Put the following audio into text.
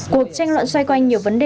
cuộc tranh luận xoay quanh nhiều vấn đề